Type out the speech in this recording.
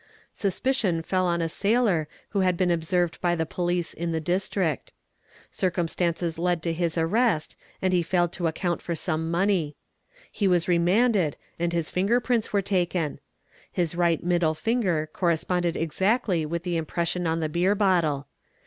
Suspicion fell on a sailor who had been observed by the in the district. Circumstances led to his arrest and he failed to 36 | 282 THE EXPERT account for some money. He was remanded and his finger prints were taken. His right middle finger corresponded exactly with the impression on the beer bottle.